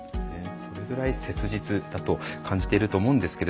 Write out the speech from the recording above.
それぐらい切実だと感じていると思うんですけれども。